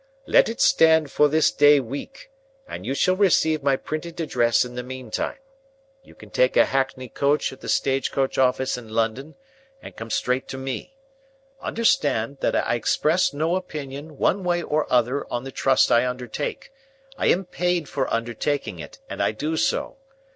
Let it stand for this day week, and you shall receive my printed address in the meantime. You can take a hackney coach at the stage coach office in London, and come straight to me. Understand, that I express no opinion, one way or other, on the trust I undertake. I am paid for undertaking it, and I do so.